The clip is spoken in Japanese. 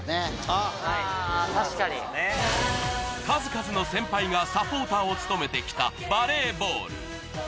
数々の先輩がサポーターを務めて来たバレーボール